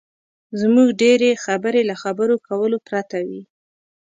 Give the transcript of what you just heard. زموږ ډېرې خبرې له خبرو کولو پرته وي.